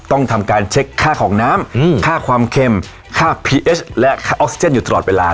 ต้องทำการเช็คค่าของน้ำค่าความเค็มค่าพีเอสและค่าออกซิเจนอยู่ตลอดเวลา